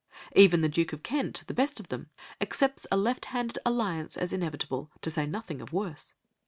Even the Duke of Kent, the best of them, accepts a left handed alliance as inevitable, to say nothing of worse.